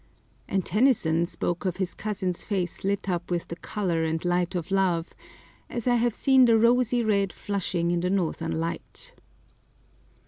And Tennyson spoke of his cousin's face lit up with the colour and light of love, "as I have seen the rosy red flushing in the northern night."